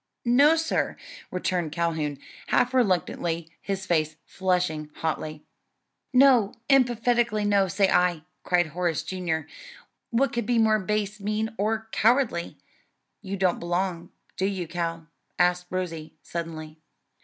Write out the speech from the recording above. ] "No, sir," returned Calhoun half reluctantly, his face flushing hotly. "No, emphatically no, say I!" cried Horace, Jr., "what could be more base, mean, or cowardly?" "You don't belong, do you, Cal?" asked Rosie, suddenly.